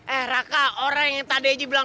eh raka orang yang tadi aja bilang